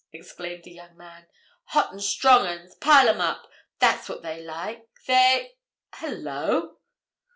exclaimed the young man. "Hot and strong 'uns—pile 'em up. That's what they like—they—Hullo!"